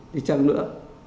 đi chăng nữa